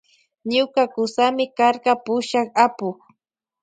Ñuka kusami karka pushak apuk.